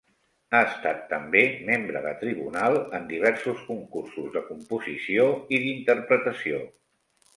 Ha estat també membre de tribunal en diversos concursos de composició i d'interpretació.